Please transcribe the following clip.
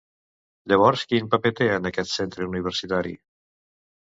Llavors, quin paper té en aquest centre universitari?